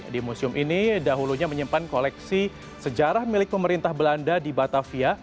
di museum ini dahulunya menyimpan koleksi sejarah milik pemerintah belanda di batavia